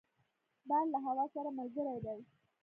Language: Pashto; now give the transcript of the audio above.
باد له هوا سره ملګری دی